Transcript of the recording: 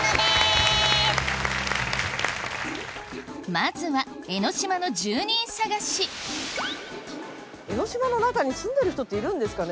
まずは江の島の住人探し江の島の中に住んでる人っているんですかね？